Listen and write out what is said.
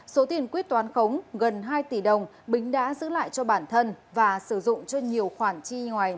số tiền quyết toán khống gần hai tỷ đồng bính đã giữ lại cho bản thân và sử dụng cho nhiều khoản chi nợ